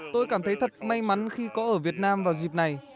tôi cảm thấy thật may mắn khi có ở việt nam vào dịp này